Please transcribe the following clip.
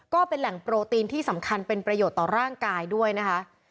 ก็เป็นแหล่งโปรตีนที่สำคัญเป็นประโยชน์ต่อร่างกายด้วยนะคะ